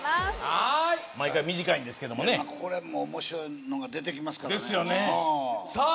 はい毎回短いんですけどもねこれも面白いのが出てきますからですよねさあ